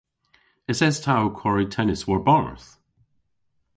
Eses ta ow kwari tennis war-barth?